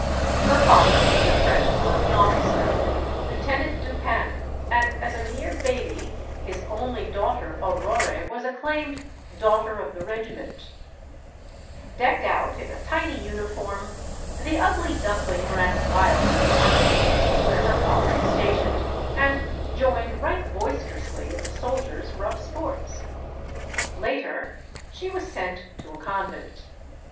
j Her father was a French army officer Lieutenant Dupin and as a mere baby his only daughter, Aurore,' was acclaimed "daughter of the regiment" Decked GEORGE SAND 159 out in a tiny uniform, the ugly duckling ran wild in the army posts where her father was stationed, and joined right boisterously in the soldiers* rough sports. Later, she was sent to a convent.